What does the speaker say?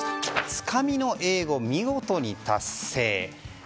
つかみの英語、見事に達成。